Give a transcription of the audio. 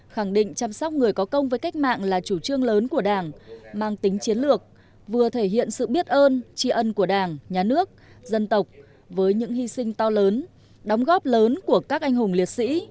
khẳng định chăm sóc người có công với cách mạng là chủ trương lớn của đảng mang tính chiến lược vừa thể hiện sự biết ơn tri ân của đảng nhà nước dân tộc với những hy sinh to lớn đóng góp lớn của các anh hùng liệt sĩ